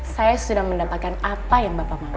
saya sudah mendapatkan apa yang bapak mau